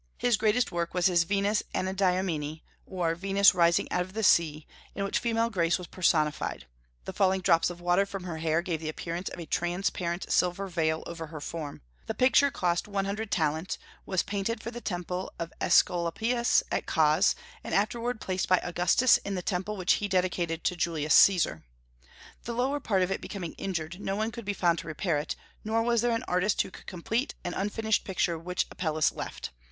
His greatest work was his Venus Anadyomene, or Venus rising out of the sea, in which female grace was personified; the falling drops of water from her hair gave the appearance of a transparent silver veil over her form. This picture cost one hundred talents, was painted for the Temple of Aesculapius at Cos, and afterward placed by Augustus in the temple which he dedicated to Julius Caesar. The lower part of it becoming injured, no one could be found to repair it; nor was there an artist who could complete an unfinished picture which Apelles left.